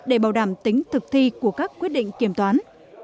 để bảo đảm tính thực thi của các quyết định kiểm toán